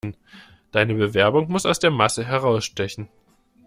Deine Bewerbung muss aus der Masse herausstechen.